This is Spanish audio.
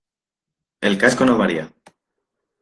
El casco no varía.